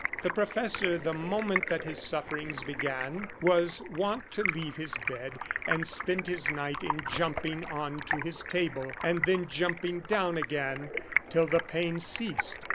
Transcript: The professor, the moment that his sufferings began, was wont to leave his bed and spend his night in jumping on to his table, and then jumping down again, till the pain ceased.